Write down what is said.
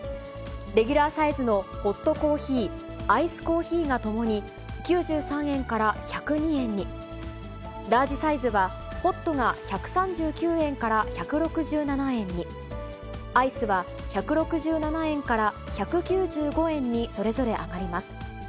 レギュラーサイズのホットコーヒー、アイスコーヒーがともに９３円から１０２円に、ラージサイズはホットが１３９円から１６７円に、アイスは１６７円から１９５円にそれぞれ上がります。